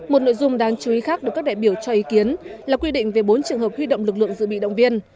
một nội dung đáng chú ý khác được các đại biểu cho ý kiến là quy định về bốn trường hợp huy động lực lượng dự bị động viên